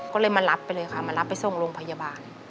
ก็เลยมารับไปเลยค่ะมารับไปส่งโรงพยาบาล